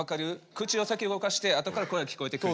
口を先動かして後から声が聞こえてくる。